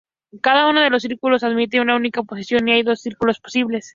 Cada uno de estos circuitos admite una única posición y hay dos circuitos posibles.